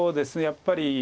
やっぱり。